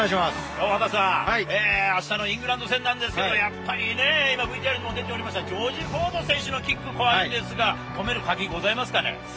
大畑さん、あしたのイングランド戦なんですけど、やっぱりね、今、ＶＴＲにも出ておりましたジョージ・フォード選手のキック、怖いんですが、止める鍵、ございますかね。